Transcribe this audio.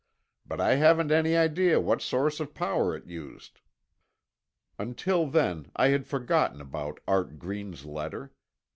"But I haven't any idea what source of power it used." Until then, I had forgotten about Art Green's letter.